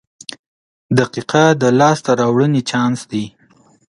• دقیقه د لاسته راوړنې چانس دی.